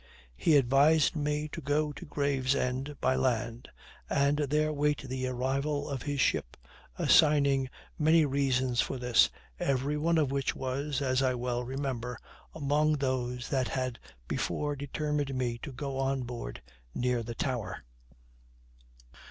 He advised me to go to Gravesend by land, and there wait the arrival of his ship, assigning many reasons for this, every one of which was, as I well remember, among those that had before determined me to go on board near the Tower.